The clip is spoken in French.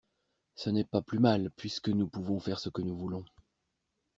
Ce n'est pas plus mal, puisque nous pouvons faire ce que nous voulons.